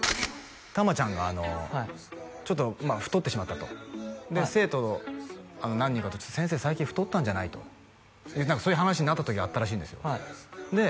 玉ちゃんがちょっと太ってしまったとで生徒何人かと「先生最近太ったんじゃない？」とそういう話になった時があったらしいんですよで